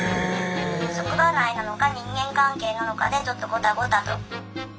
職場内なのか人間関係なのかでちょっとゴタゴタと。